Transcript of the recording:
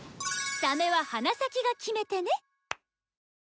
サメは鼻先が決め手ね！